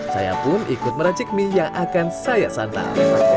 saya pun ikut meracik mie yang akan saya santap